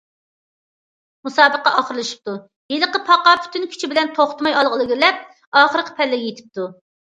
مۇسابىقە ئاخىرلىشىپتۇ، ھېلىقى پاقا پۈتۈن كۈچى بىلەن توختىماي ئالغا قاراپ ئىلگىرىلەپ ئاخىرقى پەللىگە يېتىپتۇ.